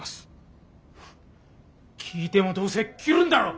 聞いてもどうせ切るんだろ。